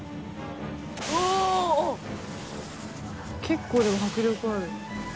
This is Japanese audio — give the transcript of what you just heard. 「結構でも迫力ある」